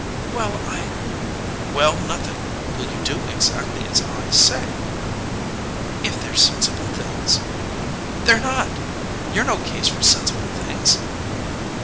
"Well, I " "Well nothing! Will you do exactly as I say?" "If they're sensible things." "They're not! You're no case for sensible things."